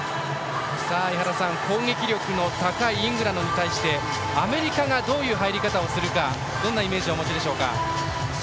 井原さん、攻撃力の高いイングランドに対してアメリカがどういう入り方をするかどんなイメージをお持ちですか。